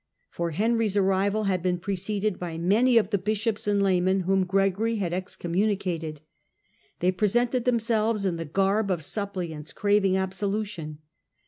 For Henry's arrival had been preceded by many of the bishops and laymen whom Gregory had excommunicated. They presented themselves in the garb of suppliants craving absolu tion.